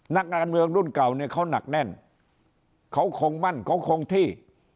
นักการเมืองรุ่นเก่าเนี่ยเขาหนักแน่นเขาคงมั่นเขาคงที่